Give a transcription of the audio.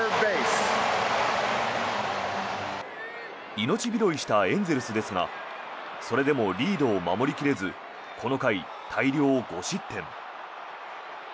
命拾いしたエンゼルスですがそれでも、リードを守り切れずこの回、大量５失点。